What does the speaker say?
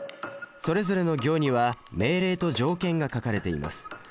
それぞれの行には命令と条件が書かれています。